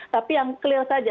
tapi yang clear saja